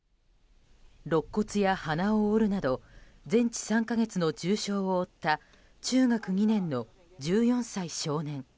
肋骨や鼻を折るなど全治３か月の重傷を負った中学２年の１４歳少年。